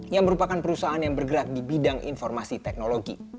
yang merupakan perusahaan yang bergerak di bidang informasi teknologi